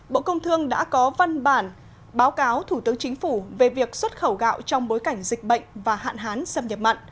bộ công thương đã có văn bản báo cáo thủ tướng chính phủ về việc xuất khẩu gạo trong bối cảnh dịch bệnh và hạn hán xâm nhập mặn